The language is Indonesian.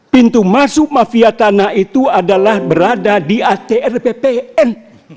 pintu masuk mafia tanah itu adalah berada di atrppn